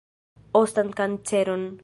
Ostan kanceron.